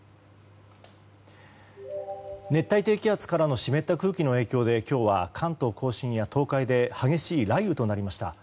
熱帯低気圧からの湿った空気の影響で今日は関東・甲信や東海で激しい雷雨となりました。